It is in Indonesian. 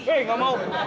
hei enggak mau